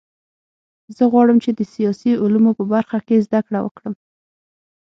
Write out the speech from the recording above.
زه غواړم چې د سیاسي علومو په برخه کې زده کړه وکړم